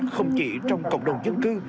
không chỉ trong cộng đồng dân cư